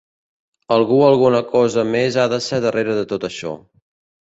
Algú o alguna cosa més ha de ser darrere de tot això.